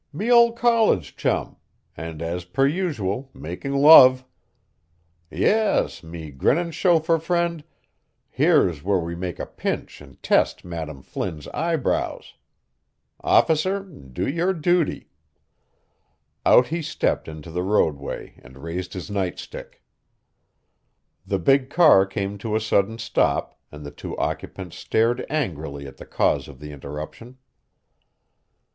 "Me old college chum, and as per usual making love. Yis, me grinning chauffeur frind, here's where we make a pinch an' test Mme. Flynn's eyebrows. Officer, do your duty!" Out he stepped into the roadway and raised his nightstick. The big car came to a sudden stop and the two occupants stared angrily at the cause of the interruption.